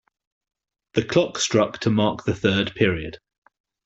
The clock struck to mark the third period.